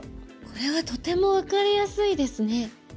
これはとても分かりやすいですね。